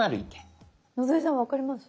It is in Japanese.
野添さん分かります？